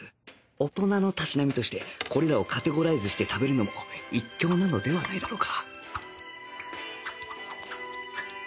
大人のたしなみとしてこれらをカテゴライズして食べるのも一興なのではないだろうか？